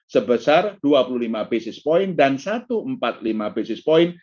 sebesar dua puluh lima basis point dan dua puluh lima persen